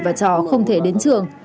các thầy và trò không thể đến trường